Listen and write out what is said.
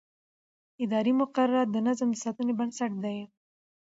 اداري مقررات د نظم د ساتنې بنسټ دي.